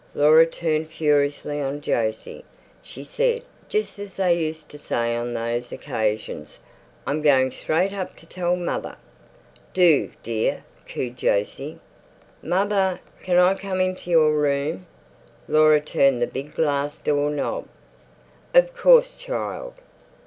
Laura turned furiously on Jose. She said, just as they had used to say on those occasions, "I'm going straight up to tell mother." "Do, dear," cooed Jose. "Mother, can I come into your room?" Laura turned the big glass door knob. "Of course, child.